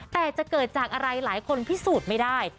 แต่จะเกิดจากอะไรหลายคนพิสูจน์ไม่ได้